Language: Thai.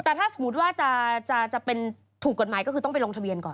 แต่ถ้าสมมุติว่าจะเป็นถูกกฎหมายก็คือต้องไปลงทะเบียนก่อน